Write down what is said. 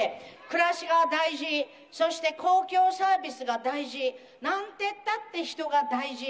暮らしが大事、そして公共サービスが大事、なんてったって人が大事。